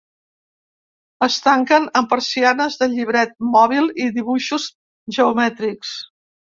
Es tanquen amb persianes de llibret mòbil i dibuixos geomètrics.